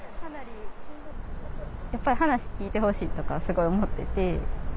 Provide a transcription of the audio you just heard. やっぱり話聞いてほしいとかはすごい思ってて。